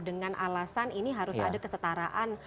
dengan alasan ini harus ada kesetaraan